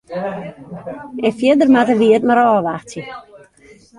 En fierder moatte wy it mar ôfwachtsje.